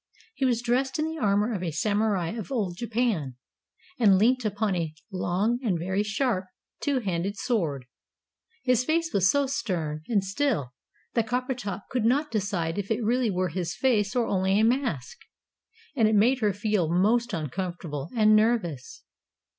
He was dressed in the armour of a Samurai of old Japan, and leant upon a long and very sharp two handed sword. His face was so stern and still that Coppertop could not decide if it really were his face or only a mask. And it made her feel most uncomfortable and nervous.